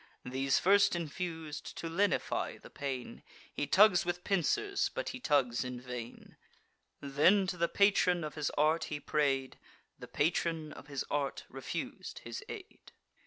These first infus'd, to lenify the pain, He tugs with pincers, but he tugs in vain. Then to the patron of his art he pray'd: The patron of his art refus'd his aid.